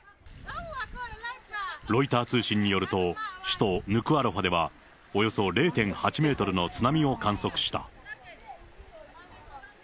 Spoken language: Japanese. ロイター通信によると、首都ヌクアロファでは、およそ０．８メートルの津波を観測した。